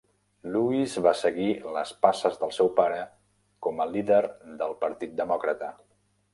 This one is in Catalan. Lewis va seguir les passes del seu pare com a líder del Partit Demòcrata.